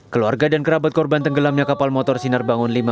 keluarga dan kerabat korban tenggelamnya kapal motor sinar bangun lima